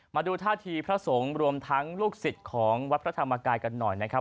มาดูท่าทีพระสงฆ์รวมทั้งลูกศิษย์ของวัดพระธรรมกายกันหน่อยนะครับ